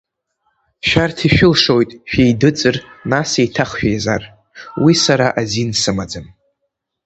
Шәарҭ ишәылшоит шәеидыҵыр нас иеҭах шәеизар, уи сара азин сымаӡам.